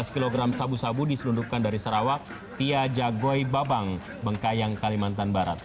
lima belas kg sabu sabu diselundupkan dari sarawak via jagoy babang bengkayang kalimantan barat